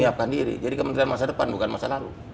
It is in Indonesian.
menyiapkan diri jadi kementerian masa depan bukan masa lalu